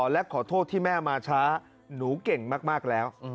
และขอโทษที่แม่มาช้า